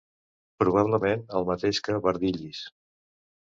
Probablement el mateix que Bardyllis.